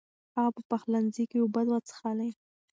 هغه په پخلنځي کې اوبه وڅښلې.